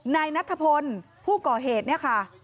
นายนัทธพลผู้ก่อเหตุเนี่ยค่ะ